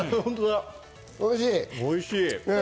おいしい。